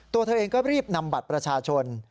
ตัวเธอเองก็รีบนำบัตรประชาชน